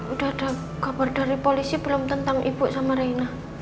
udah ada kabar dari polisi belum tentang ibu sama raina